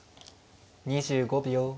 ２５秒。